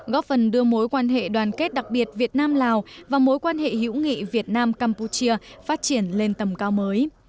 góp phần đưa mối quan hệ đoàn kết đặc biệt việt nam lào và mối quan hệ hữu nghị việt nam campuchia phát triển lên tầm cao mới